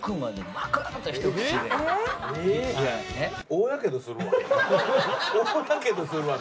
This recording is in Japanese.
大やけどするわ喉。